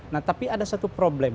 nah tapi ada satu problem